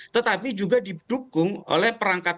tetapi juga didukung oleh perangkat